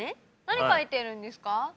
何書いてるんですか？